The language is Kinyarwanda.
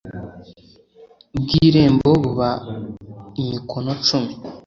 bw irembo buba imikono cumi